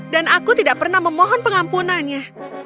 aku tidak pernah memohon pengampunannya